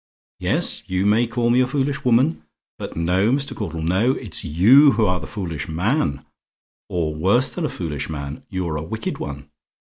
Yes, you may call me a foolish woman; but no, Mr. Caudle, no; it's you who are the foolish man; or worse than a foolish man; you're a wicked one.